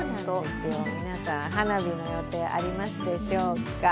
皆さん、花火の予定、ありますでしょうか。